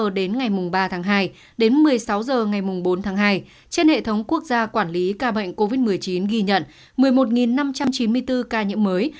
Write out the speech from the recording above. tính từ một mươi sáu h đến ngày ba tháng hai đến một mươi sáu h ngày bốn tháng hai trên hệ thống quốc gia quản lý ca bệnh covid một mươi chín ghi nhận một mươi một năm trăm chín mươi bốn ca nhiễm mới